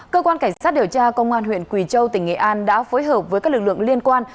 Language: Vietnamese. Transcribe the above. cơ quan cảnh sát điều tra công an huyện quỳ châu tỉnh nghệ an đã phối hợp với các lực lượng liên quan